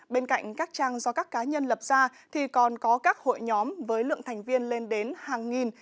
bên cạnh các trang do các cá nhân lập ra thì còn có các hội nhóm với lượng thành viên lên đến hàng nghìn